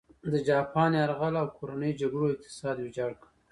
د جاپان یرغل او کورنۍ جګړو اقتصاد ویجاړ کړ.